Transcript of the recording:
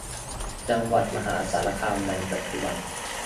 จังหวัดมหาสารคามในปัจจุบัน